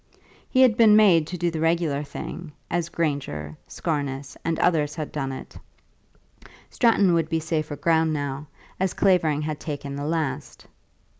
He had been made to do the regular thing, as Granger, Scarness, and others had done it. Stratton would be safer ground now, as Clavering had taken the last.